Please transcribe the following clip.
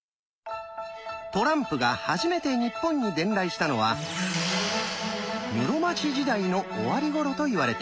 トランプが初めて日本に伝来したのは室町時代の終わり頃といわれています。